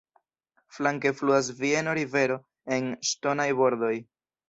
Flanke fluas Vieno-rivero en ŝtonaj bordoj.